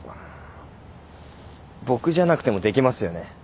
僕じゃなくてもできますよね？